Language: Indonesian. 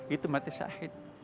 itu mati syahid